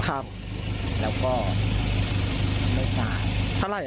ผมพร้อมมาประเด็น๓๔ประโยค